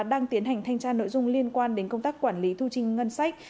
đang tiến hành thanh tra nội dung liên quan đến công tác quản lý thu chi ngân sách